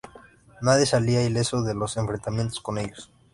Nadie salía ileso de los enfrentamientos con ellos.